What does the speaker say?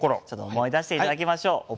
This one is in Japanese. ちょっと思い出していただきましょう。